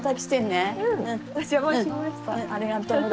ありがとう。